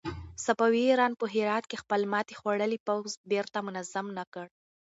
صفوي ایران په هرات کې خپل ماتې خوړلی پوځ بېرته منظم نه کړ.